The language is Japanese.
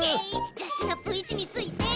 じゃあシナプーいちについて。